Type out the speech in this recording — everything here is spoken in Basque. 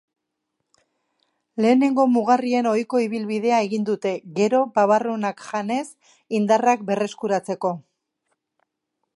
Lehenengo mugarrien ohiko ibilbidea egin dute, gero, babarrunak janez indarrak berreskuratzek.